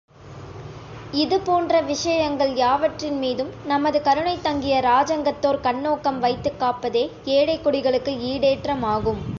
இது போன்ற விஷயங்கள் யாவற்றின் மீதும் நமது கருணை தங்கிய இராஜாங்கத்தோர் கண்ணோக்கம் வைத்துக் காப்பதே ஏழைக்குடிகளுக்கு ஈடேற்றமாகும்.